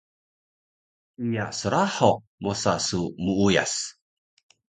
Iya srahuq mosa su muuyas